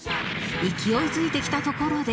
勢いづいてきたところで